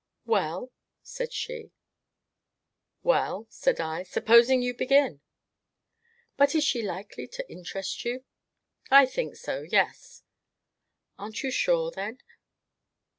"Well?" said she. "Well," said I, "supposing you begin." "But is she likely to interest you?" "I think so yes." "Aren't you sure, then?"